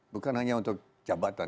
bukan hanya untuk jabatan